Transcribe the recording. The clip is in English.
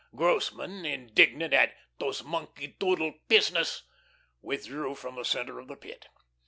Grossman, indignant at "t'ose monkey doodle pizeness," withdrew from the centre of the Pit.